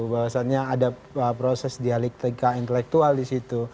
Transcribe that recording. bahwasannya ada proses dialektika intelektual disitu